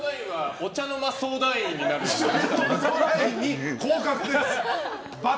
お茶の間相談員に降格。